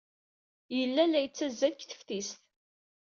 Yella la yettazzal deg teftist.